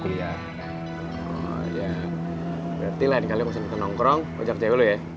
oh tidur kapan